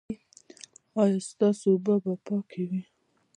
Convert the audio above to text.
ایا ستاسو اوبه به پاکې وي؟